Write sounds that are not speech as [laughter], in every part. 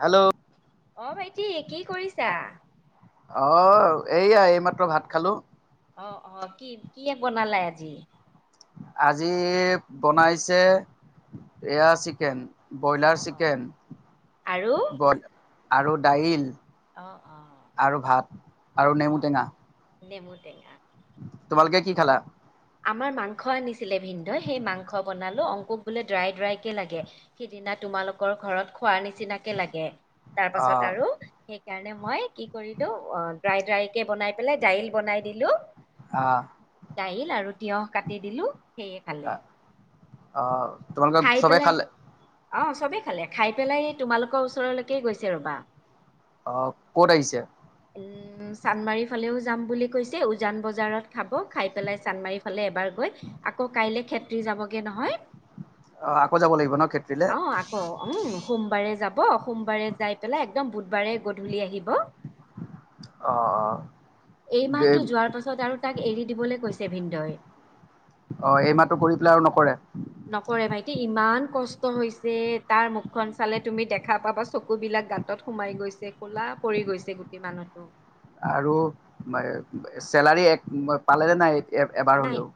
Hello. অ' ভাইটি কি কৰিছা? অ' এইয়া এইমাত্ৰ ভাত খালোঁ। অ অ কি কি বনালে আজি আজি বনাইছে এয়া চিকেন অ ব্ৰইলাৰ অ চিকেন আৰু বই আৰু দাইল অ অ আৰু ভাত আৰু নেমু টেঙা নেমুৰ টেঙা তোমালোকে কি খেলা আমাৰ মাংস আনিছিলে ভিনদই সেই মাংস বনালোঁ অংকশ বোলে ড্ৰাই ড্ৰাইকৈ লাগে সিদিনা তোমালোকৰ ঘৰত খোৱাৰ নিচিনাকে লাগে তাৰ পাছত অঁ আৰু সেইকাৰণে মই কি কৰিলো অ ড্ৰাই ড্ৰাই কেে বনাই পেলাই দাইল বনাই দিলো অ দাইল আৰু তিঁয়হ কাটি দিলোঁ সেয়ে খালে অ তোমালোকে খাই চবে পেলাই খালে অ চবেই খালে খাই পেলাই তোমালোকৰ ওচৰলৈকে গৈছে ৰ'বা অ ক'ত আহিছে উ চান্দমাৰীৰ ফালেও যাম বুলি কৈছে উজান বজাৰত খাব খাই পেলাই চানদমাৰীৰ ফালে এবাৰ গৈ আকৌ কাইলে খেত্ৰী যাবগে নহয় অ', আকৌ যাব লাগিব ন ক্ষেত্ৰীলে। অ আকৌ উম, সোমবাৰে যাব সোমবাৰে যাই পেলাই একদম বুধবাৰে গধূলি আহিব। অ', অ'। এই মাহটো যোৱাৰ পাছত আৰু তাক এৰি দিবলৈ কৈছে ভিন্দই। অ', এই মাহটো কৰি পেলাই আৰু নকৰে? নকৰে ভাইটি ইমান কষ্ট হৈছে তাৰ মুখখন চালে তুমি দেখা পাবা চকু বিলাক গাত গাতত সোমাই গৈছে ক'লা পৰি গৈছে গোটেই মানুহটো। আৰু চেলাৰী এক পালে নাই এবাৰ নাই হ'লেও?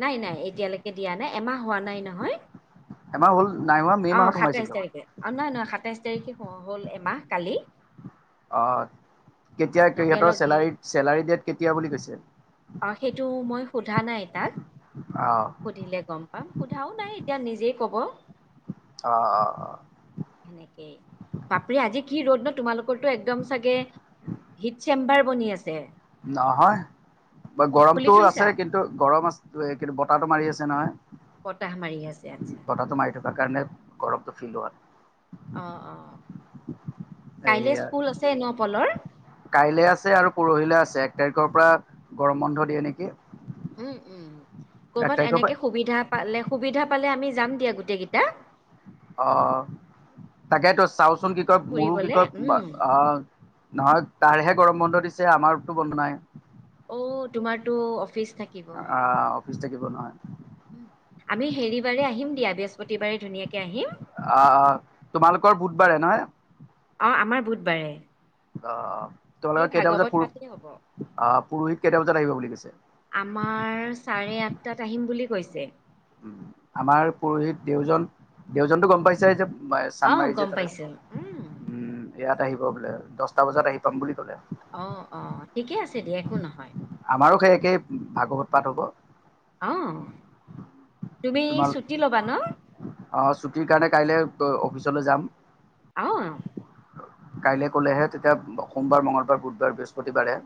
নাই নাই এতিয়ালৈকে দিয়া নাই এমাহ হোৱা নাই নহয়। এমাহ হ'ল নাই হোৱা মে' মাহত সোমাইছিলো? আৰু নহয় নহয় সাতাইছ তাৰিখে হ'ল এমাহ কালি। অ', অ কেতিয়া লগে সিহঁতৰ লগে চেলাৰী চেলাৰী ডেট কেতিয়া বুলি কৈছে? অ', সেইটো মই সোধা নাই তাক। অ'। সুধিলে গম পাম সোধাও নাই এতিয়া নিজেই ক'ব। অ', অ', অ'। সেনেকেই বাপৰে আজি কি ৰ'দ ন তোমালোকৰটোো একদম চাগে হিট চেম্বাৰ বনি আছে। নহয় খুলি গৰমতটো থৈছা আছে কিন্তু গৰম আছে। কিন্তু এই বতাহটো মাৰি আছে নহয়। বতাহ মাৰি আছে আচ্ছা। বতাহটো মাৰি থকাৰ কাৰণে গৰমটো ফিল হোৱা নাই। অ', অ', কাইলৈ স্কুল আছে ন পলৰ? কাইলে আছে আৰু পৰহিলে আছে এক তাৰিখৰ পৰা গৰম বন্ধ দিয়ে নেকি। উম, উম এক কৰ'বাত তাৰিখৰ পৰা এনেকে সুবিধা পালে সুবিধা পালে আমি যাম দিয়া গোটেই কেইটা। অ', তাকে তই চাওচোন কি কয় মোৰো কি ফুৰিবলে কয় উম অ' নহয় তাৰহে গৰম বন্ধ দিছে আমাৰতো বন্ধ নাই। অ', তোমাৰতো অফিচ থাকিব। অফিচ থাকিব নহয় আমি হেৰি বাৰে আহিম দিয়া বৃহস্পতিবাৰে ধুনীয়াকে আহিম। অ', তোমালোকৰ বুধবাৰে নহয়? অ', আমাৰ বুধবাৰে। অ', সেই তোমালোকৰ কেইটা বজাত ভাগৱত পু পাতিলে হ'ব অ' পৰোহিত কেইটা বজাত আহিব বুলি কৈছে? আমাৰ চাৰে আঠটাত আহিম বুলি কৈছে। আমাৰ পুৰোহিত দেউজন দেউজনতো গম পাইছায়ে যে পাই অ চানমাৰিত গম যে থাকে। পাইছো উম, ইয়াত আহিব বোলে দহটা বজাত আহি পাম বুলি ক'লে। অ', অ', ঠিকে আছে দিয় একো নহয়। আমাৰো সেই একেই ভাগৱত পাঠ হ'ব। অ', তুমি ছুটি ল'বা ন? অ', ছুটিৰ কাৰণে কাইলৈ অফিচলৈ যাম। অ'। কাইলে কলেহে তেতিয়া সোমবাৰ মঙ্গলবাৰ বুধবাৰ বৃহস্পতিবাৰে।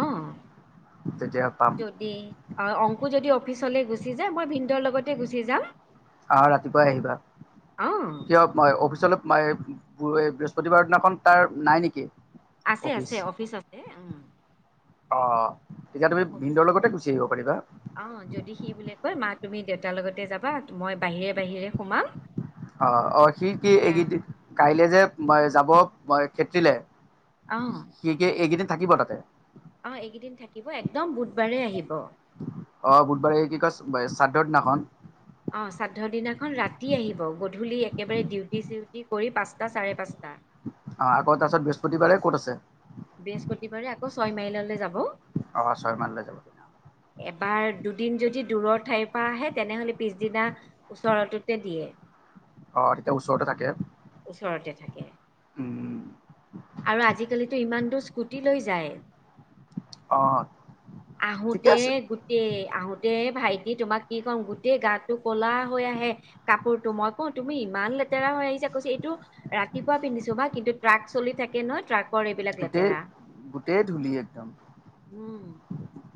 অ', তেতিয়া পাম যদি অ', অংকুৰ যদি অফিচলৈ গুচি যায় মই ভিনন্দৰ লগতে গুচি যাম। অ', ৰাতিপুৱাই আহিবা। অ কিয় মই অফিচলৈ বৃহস্পতিবাৰৰ দিনাখন তাৰ নাই নেকি? আছে আছে অফিচ আছে উম। অ', তেতিয়া তুমি অফিচ ভিনন্দৰ আছে লগতে গুচি আহিব পাৰিবা। অ', যদি সি বোলে কয় মা তুমি দেউতাৰ লগতে যাবা মই বাহিৰে বাহিৰে সোমাম। অ', অ', সি কি তেতিয়া এইকেইদিন কাইলে যে যাব ক্ষেত্ৰীলে। অ'। কি কি এইকেইদিন থাকিব তাতে? অ', এইকেইদিন থাকিব একদম বুধবাৰে আহিব। অ', বুধবাৰে কি কয় শ্ৰাদ্ধৰ দিনাখন? অঁ', শ্ৰাদ্ধ দিনাখন ৰাতি আহিব গধূলি একেবাৰে ডিউটি চিউটি কৰি পাঁচটা চাৰে পাঁচটা। অ', আকৌ তাৰপিছত বৃহস্পতিবাৰে ক'ত আছে? বৃহস্পতিবাৰে আকৌ ছয় মাইললৈ যাব। অহ ছয় মাইললৈ যাব। এবাৰ দুদিন যদি দূৰৰ ঠাইৰ পৰা আহে তেনেহ'লে পিছদিনা ওচৰৰটোতে দিয়ে। অ', তেতিয়া ওচৰতে থাকে? ওচৰতে থাকে। উম। আৰু আজিকালিতো ইমান দূৰ স্কুটি লৈ যায়। অ'। ঠিকে আহোঁতে আছে গোট দে আহোঁতে ভাইটি তোমাক কি ক'ম গোটেই গাটো ক'লা হৈ আহে। কাপোৰটো মই কওঁ তুমি ইমান লেতেৰা হৈ আহিছা কৈছে এইটো ৰাতিপুৱা পিন্ধিছো বাকিন্তু ট্ৰাক চলি থাকে ন ট্ৰাক গোটেই গোটেই ধূলি একদম। উম।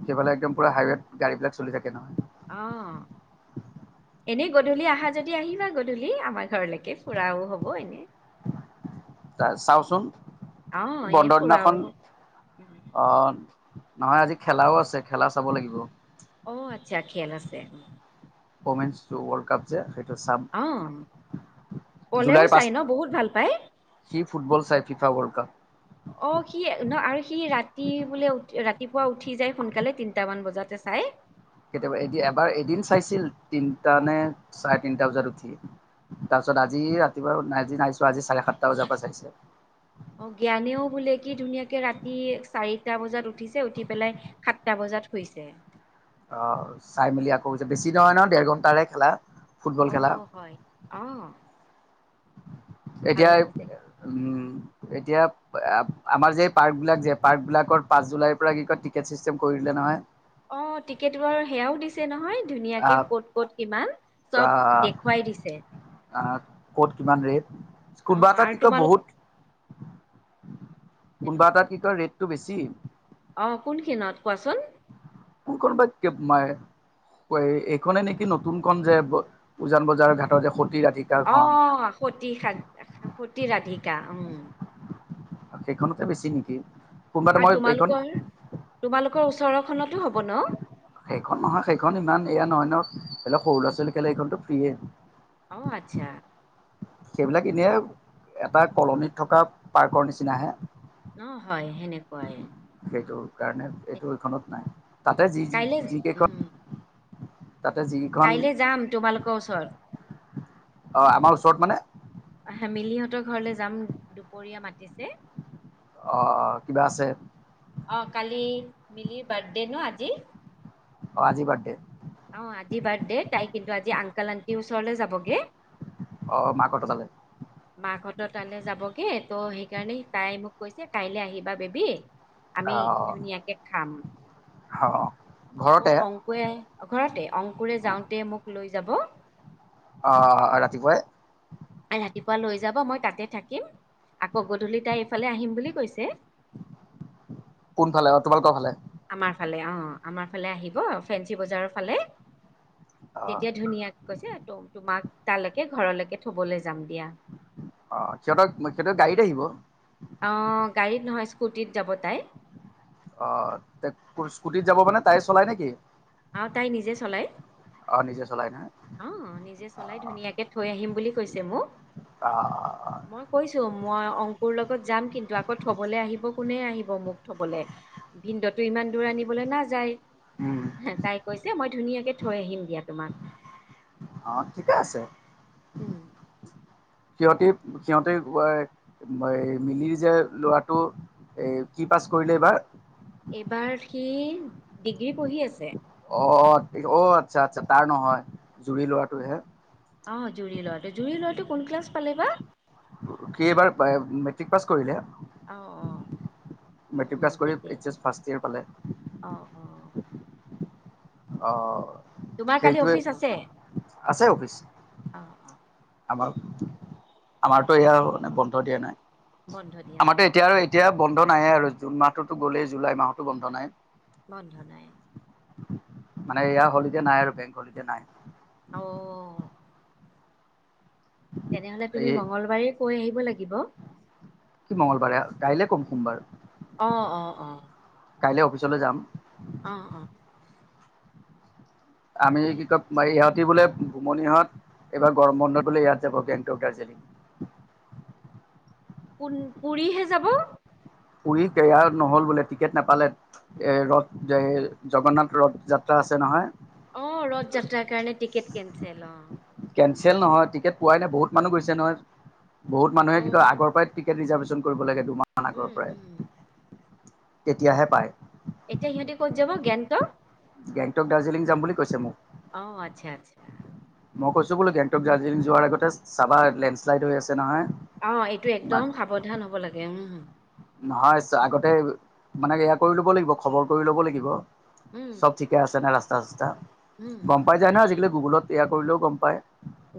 সিফালে একদম পূৰা হাইৱেত গাড়ীবিলাক চলি থাকে নহয়। অ'। এনেই গধূলি আহা যদি আহিবা গধূলি আমাৰ ঘৰলৈকে ফুৰাও হব এনে। [inaudible] চাওঁচোন অ এনে বন্ধৰ ফুৰাও দিনাখন অ', নহয় আজি খেলাও আছে খেলা চাব লাগিব। অঁ', আচ্ছা খেল আছে। অমেঞ্চ ৱৰ্ল্ড কাপ যে সেইটো চাম। অ পলেও জুলাইৰ চাই পাঁচ ন বহুত ভাল পায় সি ফুটবল চাই ফিফা ৱৰ্ল্ড কাপ। [inaudible] অঁ', সি ন আৰু সি ৰাতি বোলে উঠ ৰাতিপুৱা উঠি যায় সোনকালে তিনিটামান বজাতে চাই। কেতিয়াবা এদিন এবাৰ এদিন চাইছিল তিনটা নে চাৰে তিনটা বজাত উঠি। তাৰপিছত অ আজি ৰাতিপুৱাজি নাইছো আজি চাৰে সাতটা বজাৰ পৰা চাইছে। অ', জ্ঞানেও বোলে কি ধুনীয়াকে ৰাতি চাৰিটা বজাত উঠিছে উঠি পেলাই সাতটা বজাত শুইছে। অ', চাই মেলি আকৌ বেছি নহয় নহয় দেৰ ঘণ্টাৰে খেলা। ফুটবল খেলা অ', হয় অ' ভাল এতিয়া লাগিছে উম, এতিয়া আমাৰ যে পাৰ্ক বিলাক যে পাৰ্ক বিলাকৰ পাঁচ জুলাইৰ পৰা কি কয় টিকেট চিষ্টেম কৰি দিললে নহয়। অ', টিকেট বাৰ সেয়াও দিছে নহয়। ধুনীয়াকে আহ ক'ত ক'ত কিমান চব দেখুৱাই দিছে। আহ ক'ত কিমান ৰেট অ কোনবা এটাত আৰু কি কয় তোমালোক বহুত কোনোবা হেল্ল' এটাত টিকট ৰেটটো বেছি। অ', কোন খিনত কোৱাচোন? ক ক বাগ কে মায়ে এইখনে নেকি নতুন খন যে উজান বজাৰৰ ঘাটৰ যে সতি ৰাধিকা অ', সতি স সতি ৰাধিকা উম। সেইখনতে বেছি নেকি। কোনোবা এটা আৰু মই এইখন তোমালোকৰ তোমালোকৰ ওচৰৰখনতো হ'ব ন? সেইখন নহয় সেইখন ইমান এয়া নহয় ন ধ লক সৰু ল'ৰা ছোৱালী খেলা এইখনতো ফ্ৰিয়ে। অ' আচ্ছা। সেইবিলাক এনেই এটা কলনীত থকা পাৰ্কৰ নিচিনাহে। অ' হয় সেনেকুৱাই। সেইটো কাৰণে এইটো এইখনত নাই তাতে যি কাইলে যিকেইখন উম তাতে যিখন কাইলে যাম তোমালোকৰ ওচৰত আহ আমাৰ ওচৰত মানে হেমিলি হহঁতৰ ঘৰলৈ যাম দুপৰীয়া মাতিছে অ' কিবা আছে? অ' কালি মিলিৰ বাৰ্থডে ন আজি! আজি বৃথডে। অ' আজি বাৰ্থডে তাই কিন্তু আজি আংকাল আনটিৰ ওচৰলৈ যাবগে। অ' মা কথা তলে? [inaudible] মাকঁতৰ তালৈ যাবগে ত' সেইকাৰণে তাই মোক কৈছে কাইলৈ আহিবা বেবী আমি ধুনীয়াকে খাম। অঁ', মোক অংকুৰে ঘৰতে অংকুৰে যাওঁতে মোক লৈ যাব। অ' ৰাতিপুৱাই ৰাতিপুৱা লৈ যাব মই তাতে থাকিম আকৌ গধূলি তাই এইফালে আহিম বুলি কৈছে। কোন ফালে তোমালোকৰ ফালে? আমাৰ ফালে অ' আমাৰ ফালে আহিব ফেঞ্চি বজাৰৰ ফালে। অ', তেতিয়া ধুনীয়াক কৈছে তোমাক তালৈকে ঘৰলৈকে থবলৈ যাম দিয়া। অ' সিহঁতক সিহঁতৰ গাড়ীত আহিব? অঁ' গাড়ীত নহয় স্কুটিত যাব তাই। অ' স্কুটিত যাব মানে তাই চলাই নেকি? আৰু তাই নিজে চলায়। অ' নিজে চলাই নহ। অ' নিজে চলাই ধুনীয়াকে থৈ আহিম বুলি কৈছে মোক অ', মই কৈছো মই অংকুৰ লগত যাম কিন্তু আকৌ থবলৈ আহিব কোনে আহিব মোক থবলৈ? ভিনন্দতো ইমান দূৰ আনিবলৈ নাযায়। উম, তাই কৈছে মই ধুনীয়াকে থৈ আহিম দিয়া তোমাক। অ' কিবা আছে। উম', সিহঁতে সিহঁতে মিলি যে লৰাটো এ কি পাছ কৰিলে এইবাৰ এইবাৰ সি ডিগ্ৰী পঢ়ি আছে অ অ আচ্ছা আচ্ছা তাৰ নহয় জুৰি লৰাটোহে অ জুইৰি ল'ৰাটো জুৰি ল'ৰাটো কোন ক্লাছ পালে বা কি এইবাৰ মেট্ৰিক পাছ কৰিলে অ অ উম মেট্ৰিক পাছ কৰি এইচ এছ ফাৰ্ষট ইয়েৰ পালে অঁ অঁ অ তোমাৰ কালি সেইটোৱে অফিচ আছে? আছে অফিচ অ অ আমাৰ আমাৰতো এয়া মানে বন্ধ দিয়া নাই বন্ধ দিয়া আমাৰো নাই এতিয়া আৰু এতিয়া বন্ধ নাই আৰু জুন মাহটোতো গ'লেই জুলাই মাহতো বন্ধ নাই বন্ধ নাই মানে ইয়া হলিডে নাই আৰু বেক হলিডে নাই অ ও তেনেহলে এই তুমি মঙগলবাৰে কৈ আহিব লাগিব অ কি মঙংগলবাৰে গাইলে কম সোমবাৰ অ অ অ কাইলৈ অফিচলৈ যাম। অ' অ' আমি কি কম ইহঁতি বোলে ঘুমনিহঁত এইবাৰ গৰম বন্ধ বোলে ইয়াত যাব গেংটক, দাৰ্জিলিং পোন পুৰিহে যাব। পুৰি তৈয়াৰ নহ'ল বোলে, টিকেট নাপালে। এৰ ৰথ জগন্নাথ ৰথ যাত্ৰা আছে নহয় অ' ৰথ যাত্ৰাৰ কাৰণে টিকেট কেনচেল অ' কেনচেল নহয়, টিকেট পোৱাই নাই বহুত মানুহ গৈছে নহয় বহুত মানুহে অ কিন্তু আগৰ পৰাই। টিকট ৰিজাৰ্ভেশচন কৰিব লাগে দুমাহ আগৰ উম পৰাই উম তেতিয়াহে পায়। এতিয়া সিহঁতে ক'ত যাব গেংটক গেংটক, দাৰ্জিলিং যাম বুলি কৈছে মোক। অ' আচ্ছা আচ্ছা। মই কৈছো বোলো গেংটক, দাৰ্জিলিং যোৱাৰ আগতে চাবা লেণ্ডশ্লাইড হৈ আছে নহয়। অ' এইটো ইমান একদম সাৱধান হ'ব লাগে উম। নহয় আগতে মানে এয়া কৰি ল'ব লাগিব খবৰ কৰি ল'ব লাগিব, উম চ'ব ঠিক আছে নে ৰাস্তা চাস্তা উম গ'ম পাই যায় ন আজিকালি গুগলত তৈয়াৰ কৰিলেও গ'ম পায়।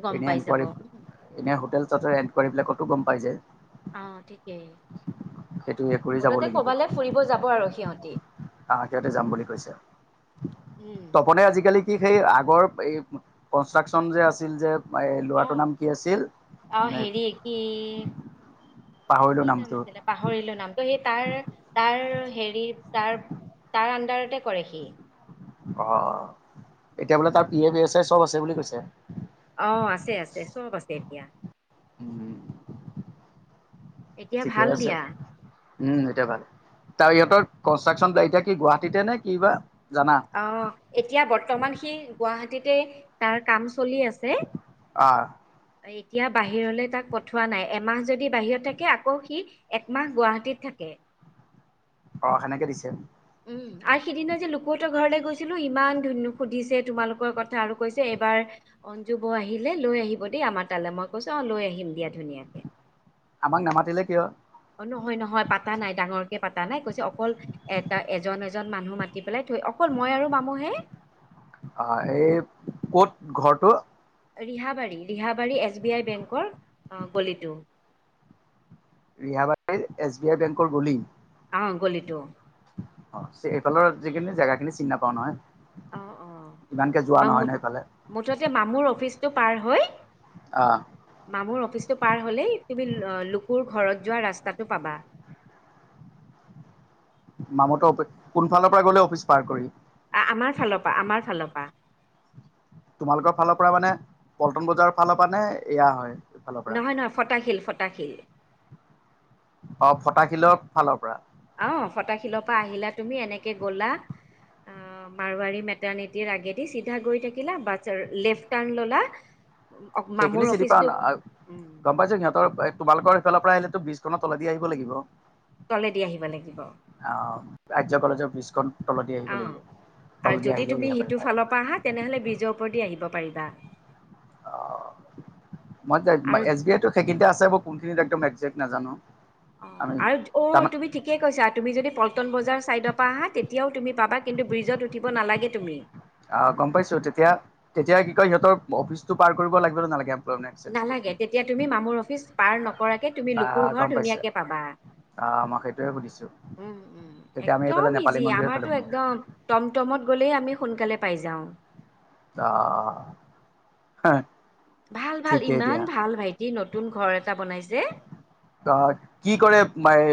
গম এনে পাই যাব এনকাৰী উম, এনে হোটেল চেল এনকুৱাৰী বিলাকতো গ'ম পাই যায় অ' ঠিকেই সেইটো এ কৰি যাব মুঠতে লাগিব কবালৈ ফুৰিব যাব আৰু সিহঁতি। তাহাকে ইতে যাম বুলি কৈছে। উম। তপনে আজিকালি কি সেই আগৰ এই কনষ্ট্ৰাকচন যে আছিল যে। মই এই ল'ৰাটোৰ নাম কি আছিল। এই পাহৰিলো কি নাম নামটো আছিল। পাহৰিলোঁ নামতো সি তাৰ তাৰ হেৰি তাৰ তাৰ আণ্ডাৰতে কৰে সি অ' এতিয়া বোলে তাৰ পি এ বি এ চ'ব আছে বুলি কৈছে। অ' আছে, আছে, চ'ব আছে এতিয়া। উম। এতিয়া ঠিকে ভাল আছে, দিয়া উম, এতিয়া ভাল তাৰ ইহঁতৰ। কনষ্ট্ৰাকশ্যন যে এতিয়া কি গুৱাহাটীতে নে কি বা জানা। অ' এতিয়া বৰ্তমান সি গুৱাহাটীতে তাৰ কাম চলি আছে। অ' এতিয়া বাহিৰলৈ তাক পঠোৱা নাই এমাহ যদি বাহিৰত থাকে আকৌ সি একমাহ গুৱাহাটীত থাকে। অ' সেনেকে দিছে। উম, আৰু সিদিনা যে লুকুহতৰ ঘৰলৈ গৈছিলো। ইমান সুধিছে তোমালোকৰ কথা আৰু কৈছে এবাৰ অঞ্জু বৌ আহিলে লৈ আহিব দেই আমাৰ তালৈ মই কৈছো অ' লৈ আহিম দিয়া ধুনীয়াকে। আমাক নামাতিলে কিয়। অ' নহয় নহয় পাতা নাই ডাঙৰকে পাতা নাই কৈছে অকল এটা এজন এজন মানুহ মাতি পেলাই থৈ অকল মই আৰু মামুহে। অ' এই ক'ত ঘৰটো। Rihabari, Rihabari S B I বেংকৰ গলিটো। ৰিহাবাৰীৰ এছ বি আই বেংকৰ গলি। অ' গলিটো। অ' এইফালৰ যিখিনি জেগাখিনি চিন নেপাওঁ অ নহয়। অ ইমানকে যোৱা মামু নহয় নহয় এইফালে। মুঠতে মামুৰ অফিচটো পাৰ হৈ। অ' মামুৰ অফিচটো পাৰ হ'লেই তুমি লুকুৰ ঘৰত যোৱা ৰাস্তাটো পাবা। মামুহতৰ অফিচ কোনফালৰ পৰা গ'লে অফিচ পাৰ কৰি। আমাৰ ফালৰ পৰা, আমাৰ ফালৰ পৰা। তোমালোকৰ ফালৰ পৰা মানে পল্টন বজাৰৰ ফালৰ পৰা নে এয়া হয়। এইফালৰ পৰা নহয় নহয় ফটাশীল ফটাশীল অ ফটাশিলৰ ফালৰ পৰা অ ফতাশিলৰ পৰা আহিলা তুমি এনেকে গ'লা অ মাৰোৱাৰাৰী মেটৰ্ননিতি আগেদি চিধা গৈ থাকিলা বা লেফ্ট টাৰ্ণ ল'লা সেইখিনি মামুৰ চিনি অফিচটো পাম উম গম পাইছো সিহঁতৰ তোমালোকৰ সেইফালৰ পৰা আহিলেতো ব্ৰিজখনৰ তলেদি আহিব লাগিব তলেদি আহিব লাগিব অ আৰ্য্য কলেজৰ ব্ৰিজখন তলেদি আহিব লাগিব আৰু তলেদি যদি আহিলে তুমি সিটো ৰিহাবাৰী পায় ফালৰ পৰা আহা তেনেহ'লে ব্ৰিজৰ ওপৰত দি আহিব পাৰিবা অ মই আৰু এছ বি আইতো সেইকেই আছে ব কোনখিনিত একদম একজেক্ট নাজানো অ আমি আৰু অ তাৰমান তুমি ঠিকে কৈছা তুমি যদি পল্টন বজাৰ চাইডৰ পৰা আহা তেতিয়াও তুমি পাবা কিন্তু ব্ৰিজত উঠি নালাগে তুমি অ গম পাইছো তেতিয়া তেতিয়া কি কয় সিহঁতৰ অফিচটো পাৰ কৰিব লাগিব নে নালাগে এমপ্লয়মেণ্ট এক্সেঞ্জটো নালাগে তেতিয়া তুমি মামুৰ অফিচ পাৰ নকৰাকে তুমি আহ লোকুৰ গম ঘৰ পাইছে ধুনীয়াকে পাবা আহ মই সেইটয়ে সুধিছো উম উম তেতিয়া আমি এইফালে একদম নেপালী ইজি মন্দিৰৰ ফালে আমাৰতো সোমাম একদম টমটমত গ'লেই আমি সোনকালে পাই যাও অ ভাল ভাল ইমান ভাল ভাইটি নতুন ঘৰ এটা বনাইছে অ কি কৰে মায়